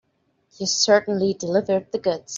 You certainly delivered the goods.